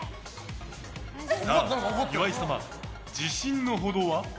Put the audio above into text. さあ、岩井様、自信のほどは？